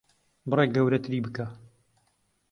بڕێک گەورەتری بکە.